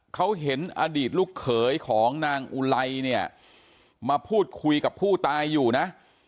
เขาเห็นอดีตลูกเขยของนางอุไลเนี่ยมาพูดคุยกับผู้ตายอยู่นะ